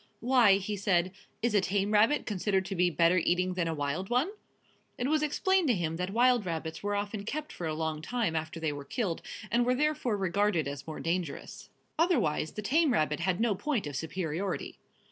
"Why," he said, "is a tame rabbit considered to be better eating than a wild one?" It was explained to him that wild rabbits were often kept for a long time after they were killed, and were therefore regarded as more dangerous. Otherwise, the tame rabbit had no point of superiority.